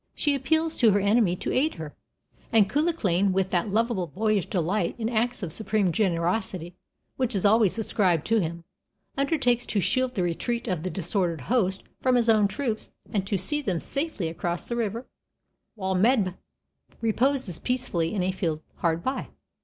She appeals to her enemy to aid her; and Cuchulainn, with that lovable boyish delight in acts of supreme generosity which is always ascribed to him, undertakes to shield the retreat of the disordered host from his own troops and to see them safely across the river, while Medb reposes peacefully in a field hard by.